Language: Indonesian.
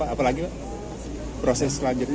apa lagi proses selanjutnya